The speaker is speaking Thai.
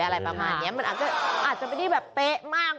อะไรประมาณนี้อาจจะเป็นแบบเป๊ะมาก